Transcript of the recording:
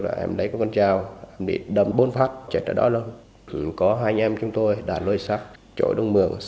là em lấy con dao đi đâm bốn phát chạy tới đó luôn có hai anh em chúng tôi đã lôi sắt chỗ đông mường